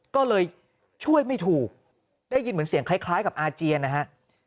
ก็เลยช่วยไม่ถูกได้ยินเหมือนเสียงคล้ายกับอาเจียนนะฮะ